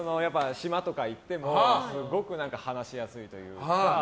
島とかに行っても話しやすいというか。